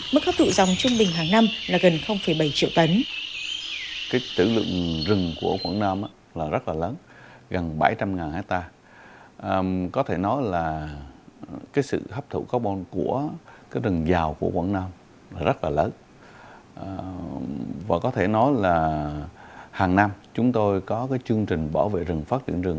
mức hấp thụ dòng trung bình hàng năm là gần bảy triệu tấn